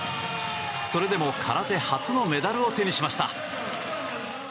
それでも空手初のメダルを手にしました。